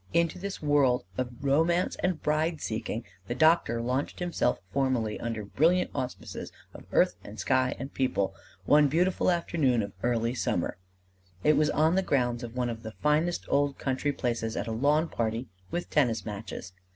Into this world of romance and bride seeking the doctor launched himself formally under brilliant auspices of earth and sky and people one beautiful afternoon of early summer: it was on the grounds of one of the finest old country places at a lawn party with tennis matches.